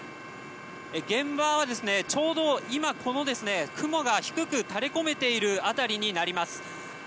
現場はちょうど今この雲が低く垂れこめている辺りになります。